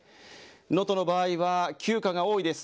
能登の場合は旧家が多いです。